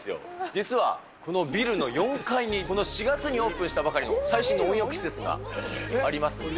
実はこのビルの４階に、この４月にオープンしたばかりの最新の温浴施設がありますので。